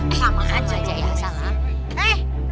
sama aja ya salah